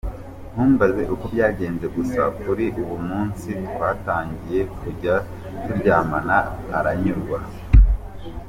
Ntumbaze uko byagenze gusa kuri uwo munsi twatangiye kujya turyamana aranyurwa.